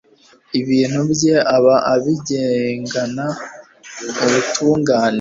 ibintu bye aba abigengana ubutungane